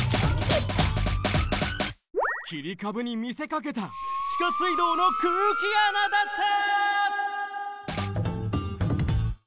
切り株にみせかけた地下水道の空気穴だった！